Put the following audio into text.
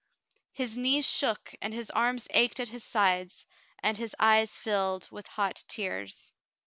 His knees shook and his arms ached at his sides, and his eyes filled with hot tears.